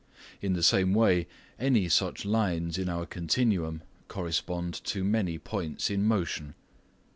In the same way, any such lines in our continuum correspond to many points in motion.